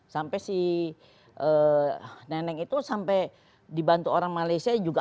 sampai si nenek itu sampai dibantu orang malaysia juga